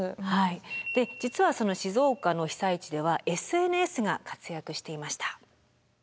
で実はその静岡の被災地ではＳＮＳが活躍していました。